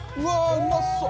うまそう！